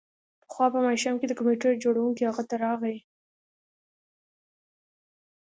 پخوا په ماښام کې د کمپیوټر جوړونکی هغه ته راغی